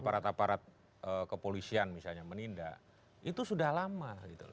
rata rata kepolisian misalnya menindak itu sudah lama